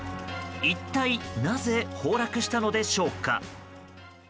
一体なぜ崩落したのでしょうか。